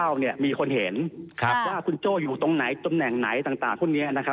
ว่าคุณโจ้อยู่ตรงไหนตรงแหน่งไหนต่างคู่นี้